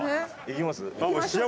いけます？